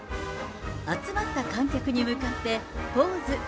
集まった観客に向かって、ポーズ。